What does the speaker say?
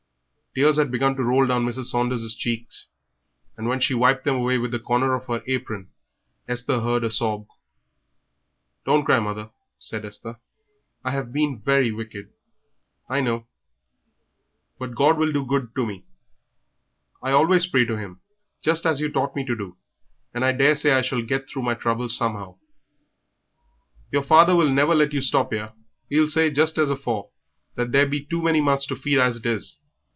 Tears had begun to roll down Mrs. Saunders' cheeks, and when she wiped them away with the corner of her apron, Esther heard a sob. "Don't cry, mother," said Esther. "I have been very wicked, I know, but God will be good to me. I always pray to him, just as you taught me to do, and I daresay I shall get through my trouble somehow." "Your father will never let you stop 'ere; 'e'll say, just as afore, that there be too many mouths to feed as it is."